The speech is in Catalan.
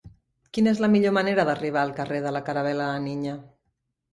Quina és la millor manera d'arribar al carrer de la Caravel·la La Niña?